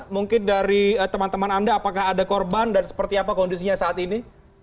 mungkin dari teman teman anda apakah ada korban dan seperti apa kondisinya saat ini